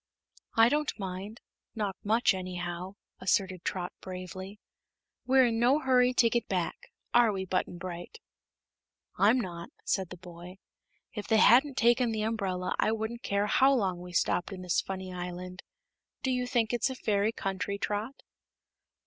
"I don't mind; not much, anyhow," asserted Trot, bravely. "We're in no hurry to get back; are we, Button Bright?" "I'm not," said the boy. "If they hadn't taken the umbrella I wouldn't care how long we stopped in this funny island. Do you think it's a fairy country, Trot?"